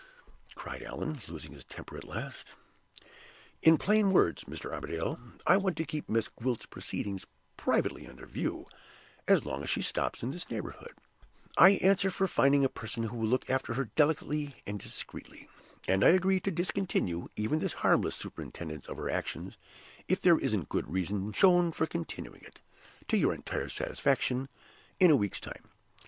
cried Allan, losing his temper at last. "In plain words, Mr. Armadale, I want to keep Miss Gwilt's proceedings privately under view, as long as she stops in this neighborhood. I answer for finding a person who will look after her delicately and discreetly. And I agree to discontinue even this harmless superintendence of her actions, if there isn't good reasons shown for continuing it, to your entire satisfaction, in a week's time.